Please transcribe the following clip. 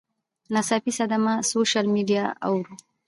ناڅاپي صدمه ، سوشل میډیا اوور